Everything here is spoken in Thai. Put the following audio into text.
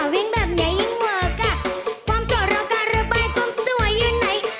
ยังเหมือนกับความสอบรองการระบายความสวยอยู่ไหน